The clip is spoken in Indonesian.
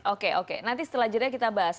oke oke nanti setelah jeda kita bahas